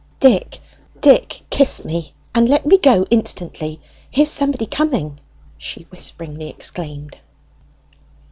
"Dick, Dick, kiss me and let me go instantly! here's somebody coming!" she whisperingly exclaimed.